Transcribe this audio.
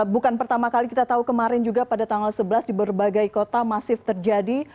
bukan pertama kali kita tahu kemarin juga pada tanggal sebelas di berbagai kota masif terjadi